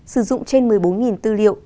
sử dụng trên một mươi bốn tư liệu